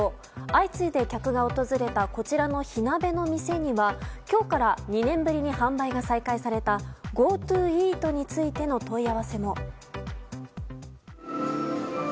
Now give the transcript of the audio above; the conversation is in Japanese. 相次いで客が訪れたこちらの火鍋の店には今日から２年ぶりに販売が再開されたＧｏＴｏイートについての問い合わせも。